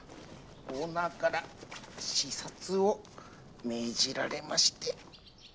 オーナーから視察を命じられまして。